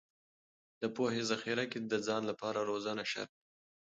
د پوهې ذخیره کې د ځان لپاره روزنه شرط دی.